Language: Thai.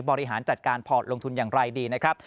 บริหารจัดการพอร์ตลงทุนอย่างไรดีนะครับ